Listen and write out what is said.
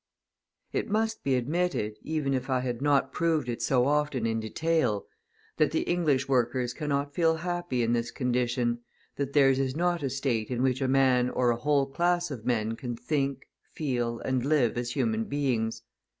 It must be admitted, even if I had not proved it so often in detail, that the English workers cannot feel happy in this condition; that theirs is not a state in which a man or a whole class of men can think, feel, and live as human beings.